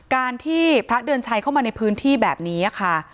การที่พระเดือนชัยเข้ามาในพื้นที่แบบนี้ค่ะ